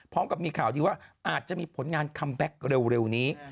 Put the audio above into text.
พร้อมกับมีข่าวดีว่าอาจจะมีผลงานคัมแบ็คเร็วนี้